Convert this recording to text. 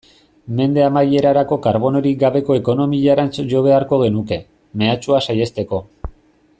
Mende amaierarako karbonorik gabeko ekonomiarantz jo beharko genuke, mehatxua saihesteko.